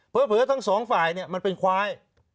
เผลอทั้งสองฝ่ายนี่มันเป็นควาย